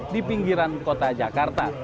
di pinggiran kota jakarta